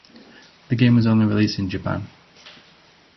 The game was only released in Japan.